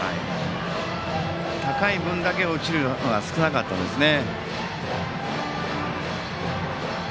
高い分だけ落ちるのが少なかったんですね。